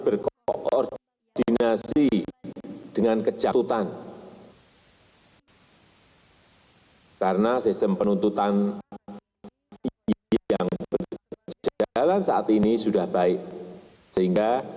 berkoordinasi dengan kejatutan karena sistem penuntutan yang berjalan saat ini sudah baik sehingga